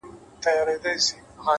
صبر د وخت ازموینه په بریا بدلوي,